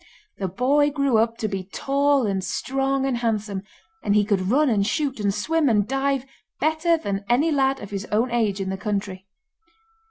The boy grew up to be tall and strong and handsome, and he could run and shoot, and swim and dive better than any lad of his own age in the country.